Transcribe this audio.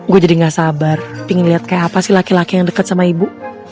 gue jadi gak sabar pingin lihat kayak apa sih laki laki yang dekat sama ibu